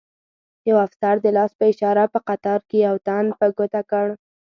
یو افسر د لاس په اشاره په قطار کې یو تن په ګوته کړ.